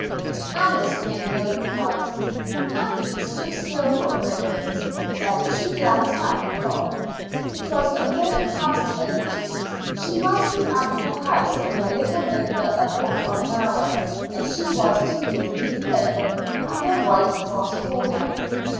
Alice made no reply. Kathleen stood still for a moment; then she glanced at the clock. It was a quarter past eight. She must be out of the house in a little over a quarter of an hour if she was to meet Ruth Craven at the White Cross Corner.